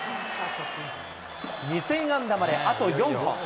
２０００安打まであと４本。